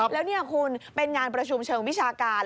แล้วนี่คุณเป็นงานประชุมเชิงวิชาการ